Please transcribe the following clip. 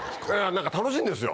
何か楽しいんですよ。